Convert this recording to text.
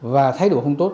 và thái độ không tốt